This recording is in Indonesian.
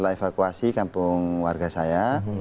evakuasi kampung warga saya